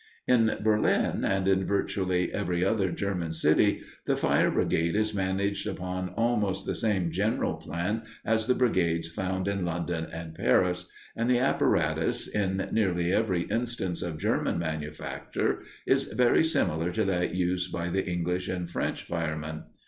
In Berlin, and in virtually every other German city, the fire brigade is managed upon almost the same general plan as the brigades found in London and Paris, and the apparatus, in nearly every instance of German manufacture, is very similar to that used by the English and French firemen.